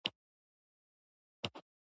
چې زبرګ وائي نور نشې بلاک کولے